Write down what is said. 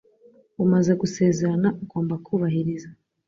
Umaze gusezerana, ugomba kubahiriza.